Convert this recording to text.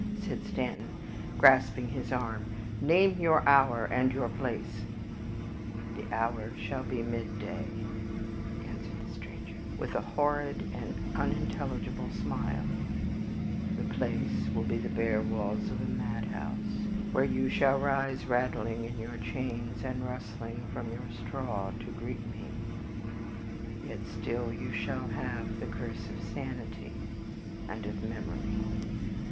said Stanton, grasping his arm; "name your hour and your place." "The hour shall be midday," answered the stranger, with a horrid and unintelligible smile; "and the place shall be the bare walls of a madhouse, where you shall rise rattling in your chains, and rustling from your straw, to greet me, yet still you shall have THE CURSE OF SANITY, and of memory.